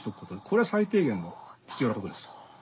これは最低限の必要なことです。